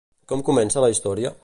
Com comença la història?